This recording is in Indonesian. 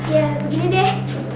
ya begini deh